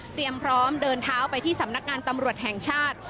พร้อมเดินเท้าไปที่สำนักงานตำรวจแห่งชาติ